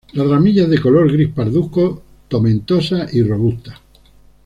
Las ramillas de color gris pardusco, tomentosas y robustas.